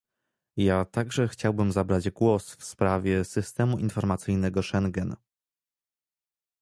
Ja także chciałabym zabrać głos w sprawie systemu informacyjnego Schengen